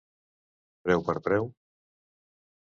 Preu per preu.